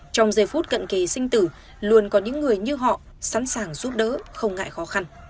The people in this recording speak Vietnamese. trong giây phút cận kỳ sinh tử luôn có những người như họ sẵn sàng giúp đỡ không ngại khó khăn